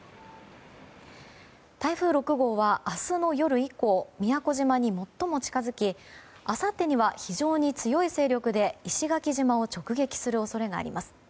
台風６号は明日の夜以降宮古島に最も近づきあさってには非常に強い勢力で石垣島を直撃する恐れがあります。